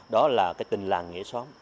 đó là tình làng nghĩa xóm